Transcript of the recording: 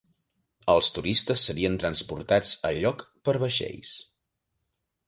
Els turistes serien transportats a lloc per vaixells.